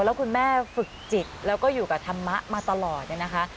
แล้วคุณแม่ฝึกจิตแล้วก็อยู่กับธรรมะมาตลอดเนี่ยนะคะ